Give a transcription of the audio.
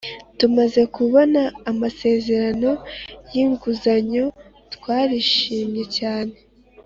Tumaze kubona amasezerano y inguzanyo twarishimwe cyane